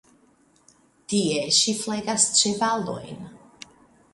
Tie ŝi flegas ĉevalojn.